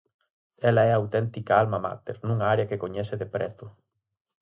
El é a auténtica alma máter, nunha área que coñece de preto.